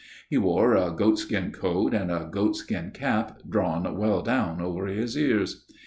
He wore a goat skin coat and a goat skin cap drawn down well over his ears.